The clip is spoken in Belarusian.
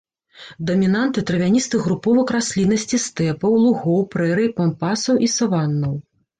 Дамінанты травяністых груповак расліннасці стэпаў, лугоў, прэрый, пампасаў і саваннаў.